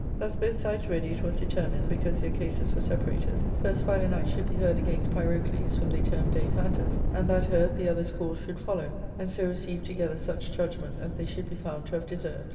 Thus both sides ready, it was determined, because their cases were separated, first Philanax should be heard against Pyrocles, whom they termed Dai'phantus, and that heard, the other's cause should follow, and so receive together such judgment as they should be found to have deserved.